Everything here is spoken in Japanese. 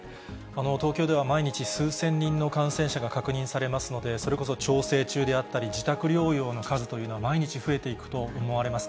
東京では毎日、数千人の感染者が確認されますので、それこそ調整中であったり、自宅療養の数というのは毎日増えていくと思われます。